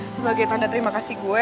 sebagai tanda terima kasih gue